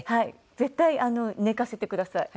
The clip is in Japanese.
絶対寝かせてください。